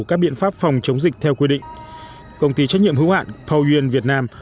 các biện pháp phòng chống dịch theo quy định công ty trách nhiệm hữu hạn pouen việt nam